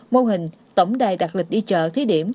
mô hình tổng đài đặt lịch đi chợ thí điểm